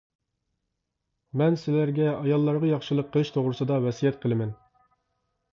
مەن سىلەرگە ئاياللارغا ياخشىلىق قىلىش توغرىسىدا ۋەسىيەت قىلىمەن!